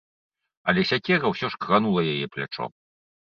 Але сякера ўсё ж кранула яе плячо.